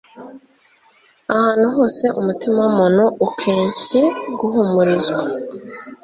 ahantu hose umutima w'umuntu ukencye guhumurizwa.